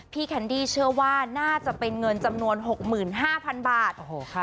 พี่แอนดี้เชื่อว่าน่าจะเป็นเงินจำนวนหกหมื่นห้าพันบาทโอ้โหค่ะ